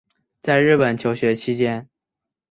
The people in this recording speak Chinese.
在日本求学期间